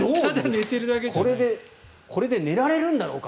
これで寝られるんだろうか